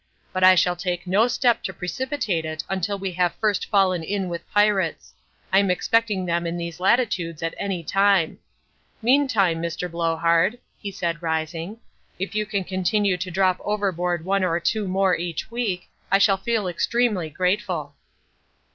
But I shall take no step to precipitate it until we have first fallen in with pirates. I am expecting them in these latitudes at any time. Meantime, Mr. Blowhard," he said, rising, "if you can continue to drop overboard one or two more each week, I shall feel extremely grateful."